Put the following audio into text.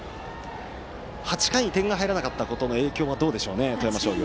８回に点が入らなかったことの影響はどうでしょうね、富山商業。